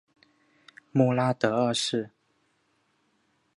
穆拉德二世。